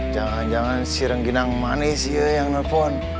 jangan jangan si rengginang manis ya yang nelfon